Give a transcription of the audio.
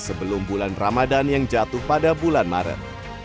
sebelum bulan ramadan yang jatuh pada bulan maret